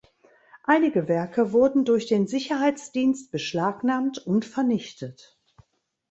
Einige Werke wurden durch den Sicherheitsdienst beschlagnahmt und vernichtet.